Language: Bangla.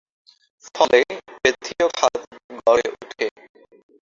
ফলে টেথীয় খাত গড়ে ওঠে।